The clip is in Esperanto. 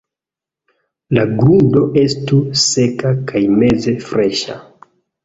La grundo estu seka kaj meze freŝa.